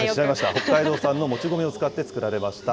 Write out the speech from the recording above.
北海道産のもち米を使って作られました。